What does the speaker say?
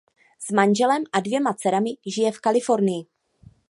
S manželem a dvěma dcerami žije v Kalifornii.